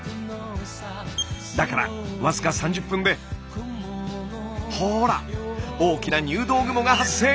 だから僅か３０分でほら大きな入道雲が発生！